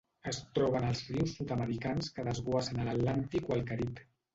Es troben als rius sud-americans que desguassen a l'Atlàntic o el Carib.